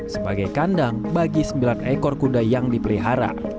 sebagai kandang bagi sembilan ekor kuda yang dipelihara